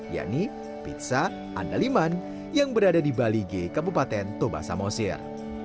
yaitu pizza andaliman yang berada di bali g kabupaten toba samosir